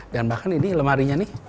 dan bahkan ini lemarinya nih